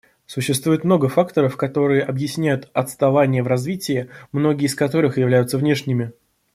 Существует много факторов, которые объясняют отставание в развитии, многие из которых являются внешними.